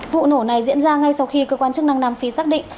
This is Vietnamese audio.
vụ nổ này diễn ra ngay sau khi cơ quan chức năng nam phi xác định